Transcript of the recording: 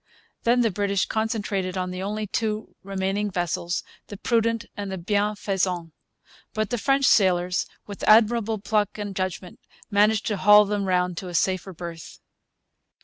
Then the British concentrated on the only two remaining vessels, the Prudent and the Bienfaisant. But the French sailors, with admirable pluck and judgment, managed to haul them round to a safer berth.